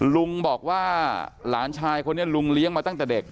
ลุงบอกว่าหลานชายคนนี้ลุงเลี้ยงมาตั้งแต่เด็ก